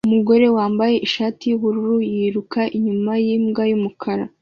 Umugore wambaye ishati yubururu yiruka inyuma yimbwa yumukara